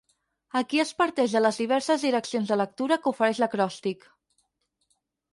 Aquí es parteix de les diverses direccions de lectura que ofereix l'acròstic.